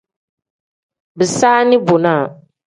Bisaani bonaa.